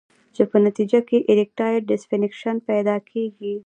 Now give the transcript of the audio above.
چې پۀ نتېجه کښې ايريکټائل ډسفنکشن پېدا کيږي